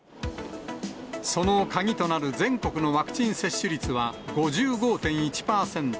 その鍵となる全国のワクチン接種率は５５．１％。